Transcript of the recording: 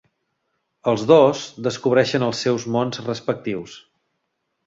Els dos descobreixen els seus mons respectius.